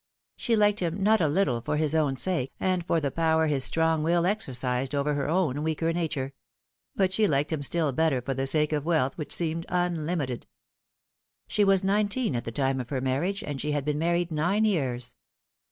She liked him not a little for his own sake, and for the power his strong will exercised over her own weaker nature ; but she liked him still better for the sake of wealth which seemed unlimited. She was nineteen at the time of her marriage, and she had been married nine years.